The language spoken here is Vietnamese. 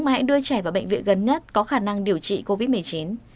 mà hãy đưa trẻ vào bệnh viện gần nhất có khả năng điều trị covid một mươi chín